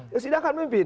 ya sidang kan memimpin